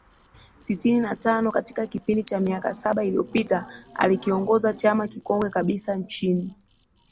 sitini na tano katika kipindi cha miaka saba iliyopita alikiongoza chama kikongwe kabisa nchini